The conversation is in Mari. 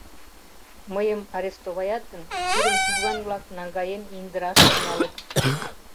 Мыйым арестоваят гын, тудым Чужган-влак, наҥгаен, индыраш тӱҥалыт.